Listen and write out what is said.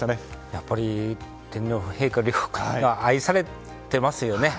やっぱり天皇陛下は深く愛されてますよね。